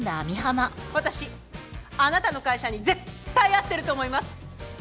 私あなたの会社に絶対合ってると思います！